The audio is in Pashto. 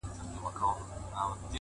عصمت الله سپرلۍ خيل